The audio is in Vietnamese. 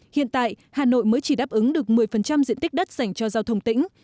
hiện tại hà nội mới chỉ đáp ứng được một mươi diện tích đất dành cho giao thông tỉnh